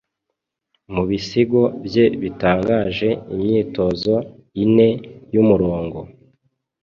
mubisigo bye bitangaje Imyitozo ine yumurongo